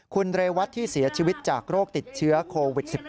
คุณเรวัตที่เสียชีวิตจากโรคติดเชื้อโควิด๑๙